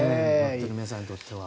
皆さんにとっては。